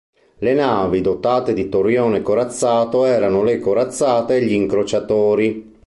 Le navi dotate di torrione corazzato erano le corazzate e gli incrociatori.